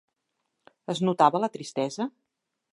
Es notava la tristesa?